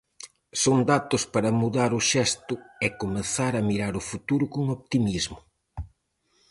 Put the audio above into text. Son datos para mudar o xesto e comezar a mirar o futuro con optimismo.